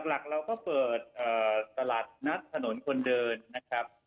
หลักเราก็เปิดตลาดนัดถนนคนเดินนะครับ